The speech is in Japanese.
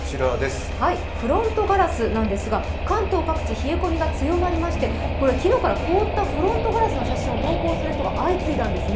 フロントガラスなんですが関東各地冷え込みが強まりまして昨日から凍ったフロントガラスを投稿する方が相次いだんですね。